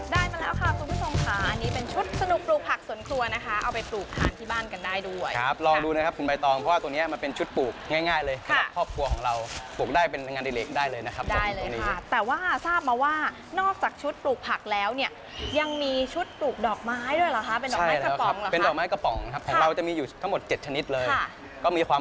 ได้มาแล้วค่ะคุณผู้ชมค่ะอันนี้เป็นชุดสนุกปลูกผักสนครัวนะคะเอาไปปลูกทานที่บ้านกันได้ด้วยครับลองดูนะครับคุณใบตองเพราะว่าตรงนี้มันเป็นชุดปลูกง่ายเลยครับครอบครัวของเราปลูกได้เป็นงานเล็กได้เลยนะครับได้เลยค่ะแต่ว่าทราบมาว่านอกจากชุดปลูกผักแล้วเนี่ยยังมีชุดปลูกดอกไม้ด้วยหรอคะเป็นดอกไม้กระป